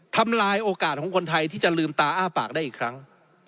ทำลายโอกาสของคนไทยที่จะลืมตาอ้าปากได้อีกครั้ง